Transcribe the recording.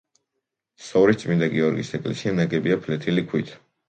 სორის წმინდა გიორგის ეკლესია ნაგებია ფლეთილი ქვით.